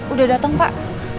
udah dateng pak